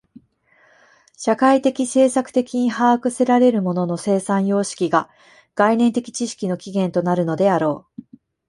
社会的制作的に把握せられる物の生産様式が概念的知識の起源となるのであろう。